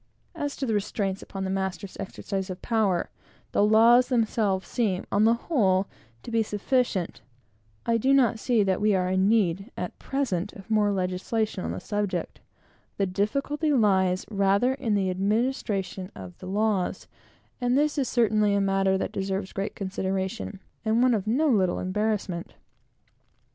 As to the restraints upon the master's exercise of power, the laws themselves seem, on the whole, to be sufficient. I do not see that we are in need, at present, of more legislation on the subject. The difficulty lies rather in the administration of the laws; and this is certainly a matter that deserves great consideration, and one of no little embarrassment.